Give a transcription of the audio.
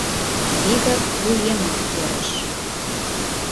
Вигак вуемым перыш.